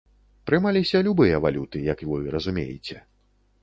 Прымаліся любыя валюты, як вы разумееце.